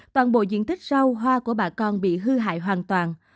toàn bộ diện tích rau hoa của bà con bị hư hại hoàn toàn